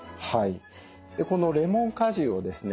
このレモン果汁をですね